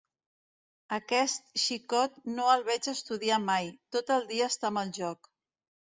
Aquest xicot, no el veig estudiar mai: tot el dia està amb el joc.